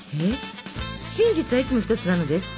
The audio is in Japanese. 「真実はいつもひとつ」なのです。